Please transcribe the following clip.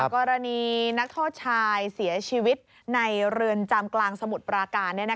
กรณีนักโทษชายเสียชีวิตในเรือนจำกลางสมุทรปราการ